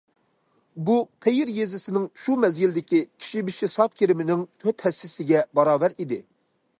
بۇ، قېيىر يېزىسىنىڭ شۇ مەزگىلدىكى كىشى بېشى ساپ كىرىمىنىڭ تۆت ھەسسىسىگە باراۋەر ئىدى.